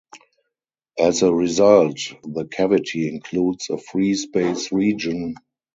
As a result, the cavity includes a free-space region.